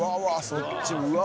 そっちうわ